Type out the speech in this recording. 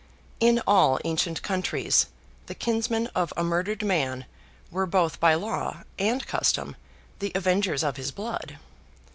In all ancient countries the kinsmen of a murdered man were both by law and custom the avengers of his blood.